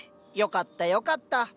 よかったよかった。